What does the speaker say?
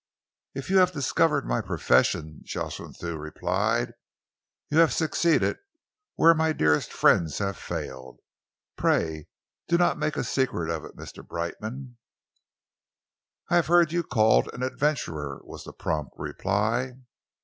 "If you have discovered my profession," Jocelyn Thew replied, "you have succeeded where my dearest friends have failed. Pray do not make a secret of it, Mr. Brightman." "I have heard you called an adventurer," was the prompt reply.